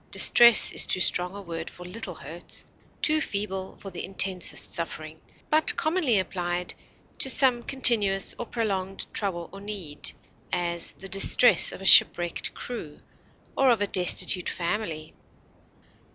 Distress is too strong a word for little hurts, too feeble for the intensest suffering, but commonly applied to some continuous or prolonged trouble or need; as, the distress of a shipwrecked crew, or of a destitute family.